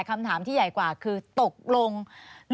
ควิทยาลัยเชียร์สวัสดีครับ